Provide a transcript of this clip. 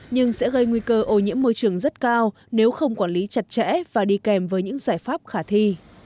nhưng sẽ gây nguy cơ ô nhiễm môi trường rất cao nếu không quản lý chặt chẽ và đi kèm với những giải pháp khả thi